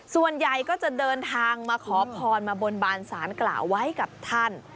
ส่วนใหญ่ก็จะเดินทางมาขอพรมาบนบานสารกล่าวไว้กับท่าน